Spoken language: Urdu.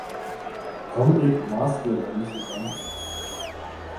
ہم ایک ماسک لگانے سے تنگ ہیں